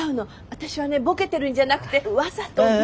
私はねボケてるんじゃなくてわざとね。